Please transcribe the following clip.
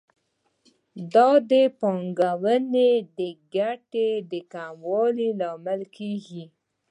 دا د پانګونې د ګټې د کموالي لامل کیږي.